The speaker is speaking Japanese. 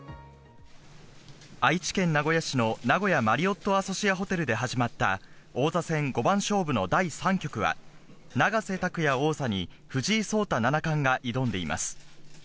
愛知県名古屋市の名古屋マリオットアソシアホテルで始まった王座戦五番勝負の第３局は、永瀬拓矢王座に藤井聡太七冠が挑んでいます。